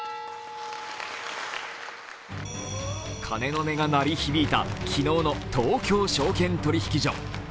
鐘の音が鳴り響いた昨日の東京証券取引所。